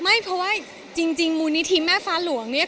ไม่เพราะว่าจริงมูลนิธิแม่ฟ้าหลวงเนี่ย